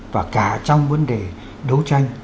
và cả trong vấn đề đấu tranh